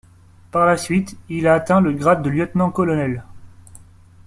Par la suite, il a atteint le grade de lieutenant-colonel.